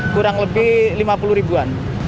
kurang lebih lima puluh ribuan